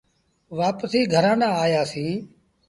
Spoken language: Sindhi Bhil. وآپسيٚ گھرآݩ ڏآنهن آيآ سيٚݩ۔